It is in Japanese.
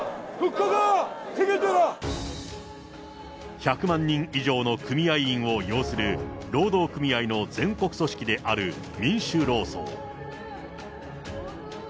１００万人以上の組合員をようする労働組合の全国組織である民主労総。